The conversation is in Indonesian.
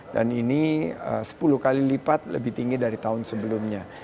dan ini sepuluh kali lipat lebih tinggi dari tahun sebelumnya